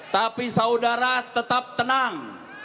tapi saudara tetap tenang